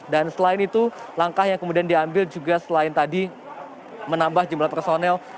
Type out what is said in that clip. dan selain itu langkah yang kemudian diambil juga selain tadi menambah jumlah personel